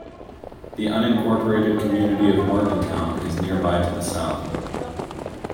The unincorporated community of Morgantown is nearby to the south.